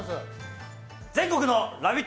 全国の「ラヴィット！」